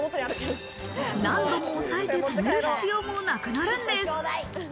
何度も押さえて留める必要もなくなるんです。